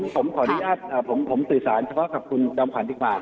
ผมขออนุญาตผมสื่อสารเฉพาะกับคุณจอมขวัญดีกว่า